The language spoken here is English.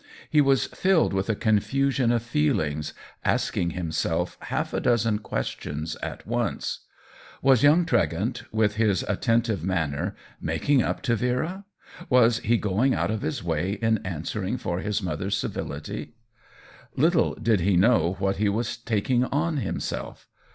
He was filled with a confusion of feelings, asking himself half a dozen questions at once. Was young Tregent, with his attentive man ner, " making up " to Vera ? was he going out of his way in answering for his mother's civility ? Little did he know what he was taking on himself!